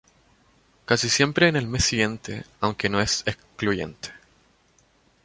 Casi siempre en el mes siguiente, aunque no es excluyente.